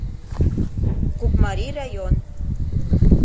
Кукмарий район.